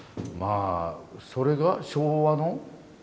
あそれが昭和の？